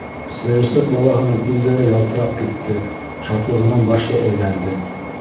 Сыйырсыҡ балаһының күҙҙәре ялтырап китте, шатлығынан башы әйләнде.